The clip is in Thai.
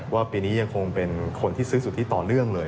ว่าปีนี้ยังคงเป็นคนที่ซื้อสุทธิต่อเนื่องเลย